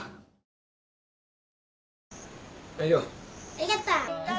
ありがとう。